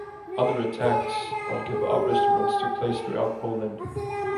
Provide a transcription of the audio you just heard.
Other attacks on Kebab restaurants took place throughout Poland.